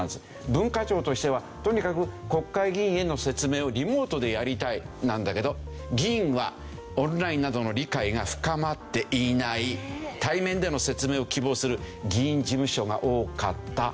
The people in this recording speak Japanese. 文化庁としてはとにかく国会議員への説明をリモートでやりたいなんだけど議員はオンラインなどの理解が深まっていない対面での説明を希望する議員事務所が多かった。